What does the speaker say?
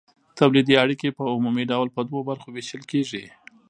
تولیدي اړیکې په عمومي ډول په دوو برخو ویشل کیږي.